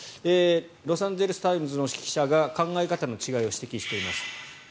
ロサンゼルス・タイムズの記者が考え方の違いを指摘しています。